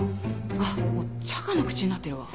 あっもうチャカの口になってるわ。